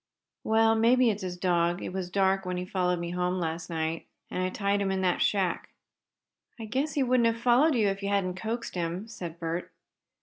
"Well, maybe it is his dog. It was dark when he followed me home last night, and I tied him in that shack." "I guess he wouldn't have followed you if you hadn't coaxed him," said Bert.